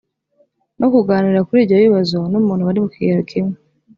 no kuganira kuri ibyo bibazo n umuntu bari mu kigero kimwe